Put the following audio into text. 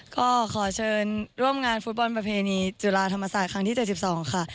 ก็ขอเชิญร่วมงานฟุตบอลประเพณีจุฬาธรรมศาสตร์ครั้งที่๗๒ค่ะ